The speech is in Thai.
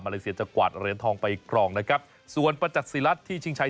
เลเซียจะกวาดเหรียญทองไปครองนะครับส่วนประจักษิรัฐที่ชิงชัย